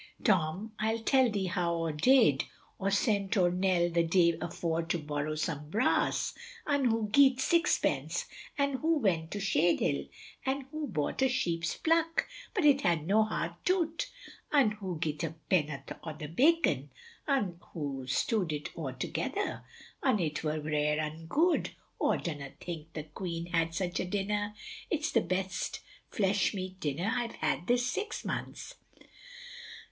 Tom I'll tell thee how aw did, aw sent owr Nell th' day afore to borrow some brass, un hoo geet sixpence, an' hoo went to Shade Hill, un hoo bought a sheep's pluck, but it had no heart toot, un hoo geet a penoth o'th bacon, un hoo stew'd it aw together, un it wur rare un good, aw dunna think th' queen had such a dinner, it's the best flesh meat dinner I've had this six months.